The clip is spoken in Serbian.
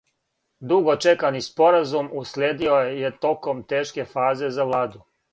Дуго чекани споразум услиједио је током тешке фазе за владу.